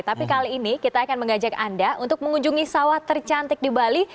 tapi kali ini kita akan mengajak anda untuk mengunjungi sawah tercantik di bali